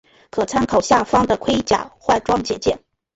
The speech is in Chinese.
可参考下方的盔甲换装简介。